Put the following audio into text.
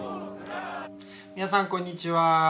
皆さんこんにちは。